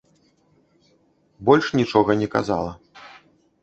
Больш нічога не казала.